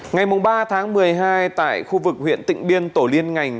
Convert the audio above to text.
ngày ba tháng một mươi hai tại khu vực huyện tỉnh biên tổ liên ngành